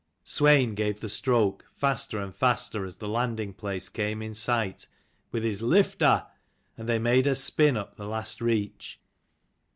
Swein gave the stroke, faster and faster as the landing ^place came in sight, with his " Lift her! " and they made her spin up the last reach.